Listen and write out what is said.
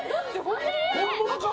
本物か？